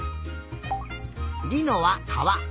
りのはかわ。